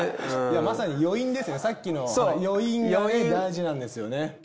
まさに余韻ですねさっきの余韻が大事なんですよね。